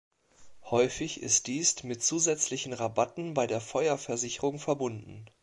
Häufig ist dies mit zusätzlichen Rabatten bei der Feuerversicherung verbunden.